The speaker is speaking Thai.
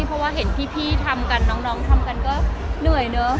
เพราะว่าเห็นพี่ทำกันน้องทำกันก็เหนื่อยเนอะ